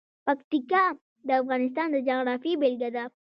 پکتیکا د افغانستان د جغرافیې بېلګه ده.